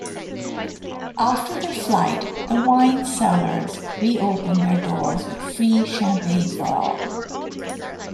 After the flight, the wine cellars reopened their doors with free champagne for all.